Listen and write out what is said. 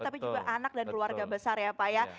tapi juga anak dan keluarga besar ya pak ya